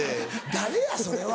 誰やそれは！